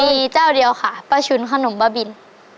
มีเจ้าเดียวค่ะป้าชุนขนมบ้าบิน